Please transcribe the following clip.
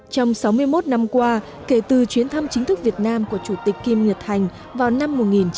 trong sáu mươi một năm qua kể từ chuyến thăm chính thức việt nam của chủ tịch kim ngược thành vào năm một nghìn chín trăm năm mươi tám